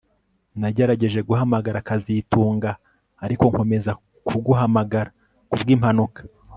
Nagerageje guhamagara kazitunga ariko nkomeza kuguhamagara kubwimpanuka